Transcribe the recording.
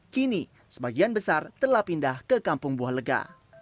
kini sebagian besar telah pindah ke kampung buah lega